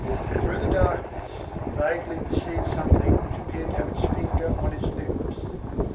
Through the darkness, he vaguely perceived something which appeared to have its finger on its lips.